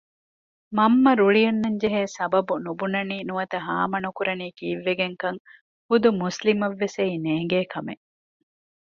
މަންމަ ރުޅި އަންނަންޖެހޭ ސަބަބު ނުބުނަނީ ނުވަތަ ހާމަ ނުކުރަނީ ކީއްވެގެންކަން ހުދު މުސްލިމަށްވެސް އެއީ ނޭންގޭ ކަމެއް